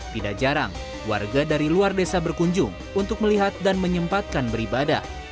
tidak jarang warga dari luar desa berkunjung untuk melihat dan menyempatkan beribadah